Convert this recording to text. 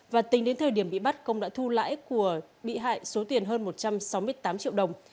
và tính đến thời điểm bị bắt công đã thu lãi của bị hại số tiền hơn một trăm sáu mươi tám triệu đồng